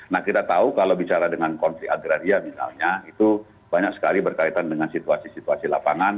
nah kita tahu kalau bicara dengan konflik agraria misalnya itu banyak sekali berkaitan dengan situasi situasi lapangan